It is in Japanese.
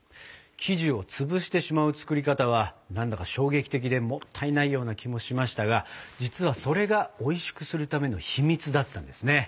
生地をつぶしてしまう作り方は何だか衝撃的でもったいないような気もしましたが実はそれがおいしくするための秘密だったんですね。